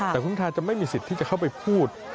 แต่คุณพิทาจะไม่มีสิทธิ์ที่จะเข้าไปพูด